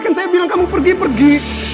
kan saya bilang kamu pergi pergi